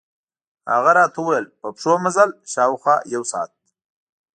هغه راته ووېل په پښو مزل، شاوخوا یو ساعت.